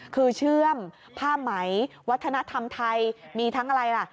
คือเชื่อมผ้าไหมวัฒนธรรมไทยมีทั้งอะไรล่ะ